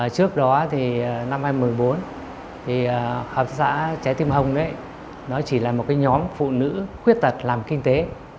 trước đó năm hai nghìn một mươi bốn hợp tác xã trái tim hồng chỉ là một nhóm phụ nữ khuyết tật làm kinh tế